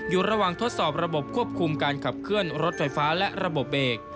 อยู่ระหว่างทดสอบระบบควบคุมการขับเคลื่อนรถไฟฟ้าและระบบเบรก